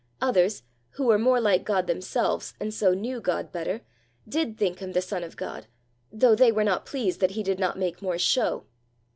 Others, who were more like God themselves, and so knew God better, did think him the son of God, though they were not pleased that he did not make more show.